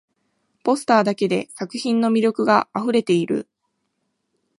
ポスターだけで作品の魅力があふれている